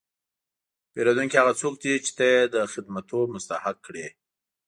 پیرودونکی هغه څوک دی چې ته یې د خدمتو مستحق کړې.